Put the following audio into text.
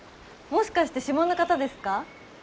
もしかして島の方ですか？